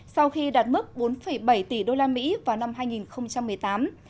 sau khi đạt mức bốn bảy tỷ usd vào năm hai nghìn một mươi tám